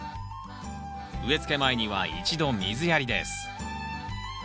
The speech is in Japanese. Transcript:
植えつけ前には一度水やりです